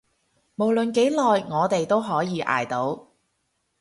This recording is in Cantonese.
無論幾耐，我哋都可以捱到